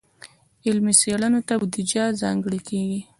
علمي څیړنو ته بودیجه ځانګړې کیږي.